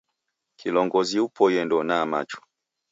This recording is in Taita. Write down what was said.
Kilongozi upoie ndeunaa machu.